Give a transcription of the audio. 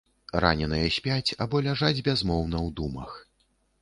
Раненыя спяць або ляжаць бязмоўна ў думах.